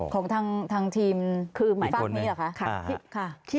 ของทางทีมที่ฟังนี้เหรอคะ